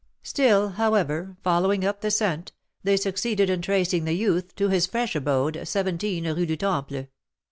Still, however, following up the scent, they succeeded in tracing the youth to his fresh abode, 17 Rue du Temple.